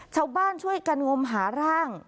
ชาวบ้านช่วยกันงมหาร่าง